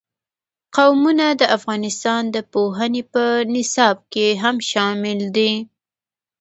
قومونه د افغانستان د پوهنې په نصاب کې هم شامل دي.